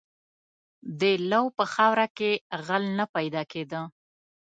• د لو په خاوره کې غل نه پیدا کېده.